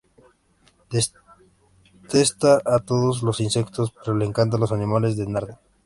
Detesta a todos los insectos, pero le encantan los animales de Narnia.